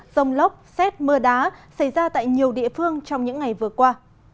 dông lóc xét mưa đá xảy ra tại nhiều địa phương trong những ngày vừa qua